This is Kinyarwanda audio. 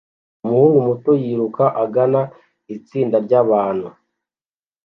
Umuhungu muto yiruka agana itsinda ryabantu